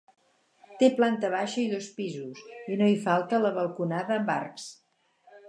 Té planta baixa i dos pisos, i no hi falta la balconada amb arcs.